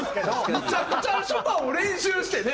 むちゃくちゃショパンを練習してね。